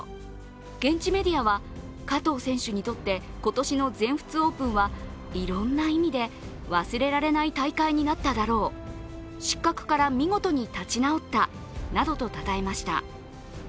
現地メディアは加藤選手にとって今年の全仏オープンはいろんな意味で忘れられない大会になっただろう、失格から見事に立ち直ったなどとたたえました。